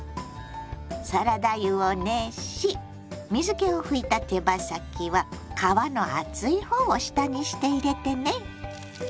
サラダ油を熱し水けを拭いた手羽先は皮の厚いほうを下にして入れてね。